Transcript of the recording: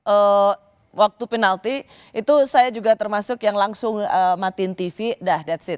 eee waktu penalti itu saya juga termasuk yang langsung matiin tv dah that s it